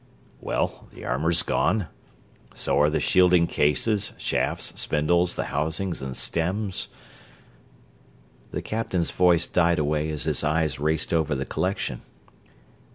"Well, the armor is gone. So are the shielding cases, shafts, spindles, the housings and stems...." The captain's voice died away as his eyes raced over the collection.